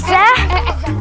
pusatnya dari a